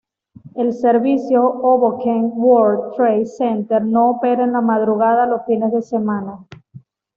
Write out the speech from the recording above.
El servicio Hoboken-World Trade Center no opera en la madrugada los fines de semana.